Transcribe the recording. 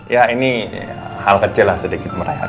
ya ini hal kecil lah sedikit mereka